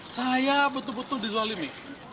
saya betul betul dizolimi